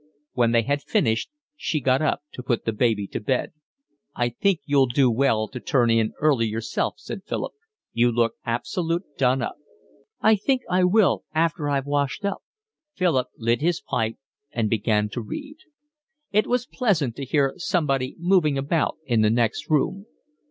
When they had finished she got up to put the baby to bed. "I think you'll do well to turn in early yourself," said Philip. "You look absolute done up." "I think I will after I've washed up." Philip lit his pipe and began to read. It was pleasant to hear somebody moving about in the next room.